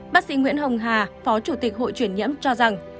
bác sĩ nguyễn hồng hà phó chủ tịch hội chuyển nhiễm cho rằng